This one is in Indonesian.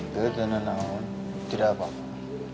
ketananaun tidak apa apa